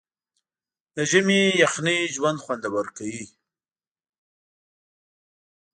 د ژمي یخنۍ ژوند خوندور کوي.